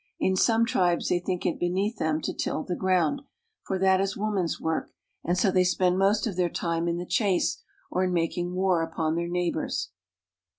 In some tribes they think it beneath them to till the ground, for that is woman's work, and so they spend most of their time in the chase or in making war upon their neighbors.